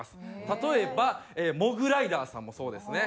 例えばモグライダーさんもそうですね。